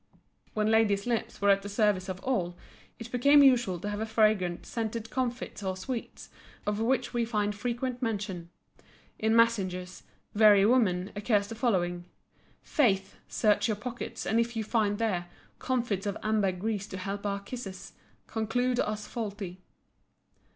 When ladies' lips were at the service of all it became usual to have fragrant scented comfits or sweets, of which we find frequent mention. In Massinger's "Very Woman" occurs the following: Faith! Search our pockets, and if you find there Comfits of amber grease to help our kisses, Conclude us faulty.